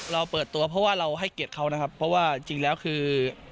เราเปิดตัวเพราะว่าเราให้เกียรติเขานะครับเพราะว่าจริงแล้วคือ